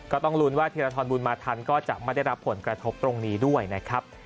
ก็ต้องลุ้นว่าธีรทรบุญมาทันก็จะไม่ได้รับผลกระทบตรงนี้ด้วยนะครับ